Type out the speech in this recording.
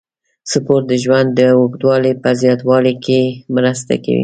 سپورت د ژوند د اوږدوالي په زیاتولو کې مرسته کوي.